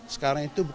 sekarang itu bukan